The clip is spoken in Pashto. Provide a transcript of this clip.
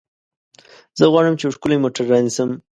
زه غواړم چې یو ښکلی موټر رانیسم.